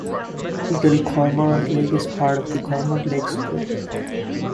Little Cormorant Lake is part of the Cormorant Lakes group.